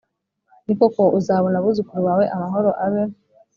Ni koko uzabona abuzukuru bawe Amahoro abe